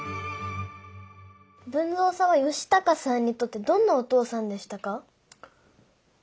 豊造さんは嘉孝さんにとってどんなお父さんでしたか？